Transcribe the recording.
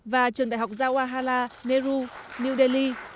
và trường đại học gia hoa hala nehru new delhi